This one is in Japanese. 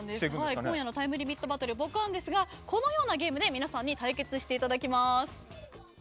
今夜の「タイムリミットバトルボカーン！」ですがこのようなゲームで対決していただきます。